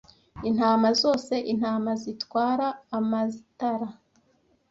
intama zose intama zitwara amaztara